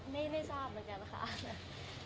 ไม่ชอบแล้วกันค่ะ